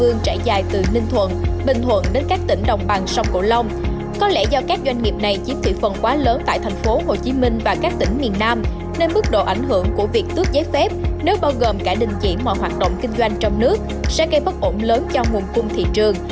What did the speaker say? nếu bao gồm cả định diễn mọi hoạt động kinh doanh trong nước sẽ gây bất ổn lớn cho nguồn cung thị trường